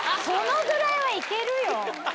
そのぐらいは行けるよ！